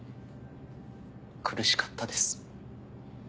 苦しかったです。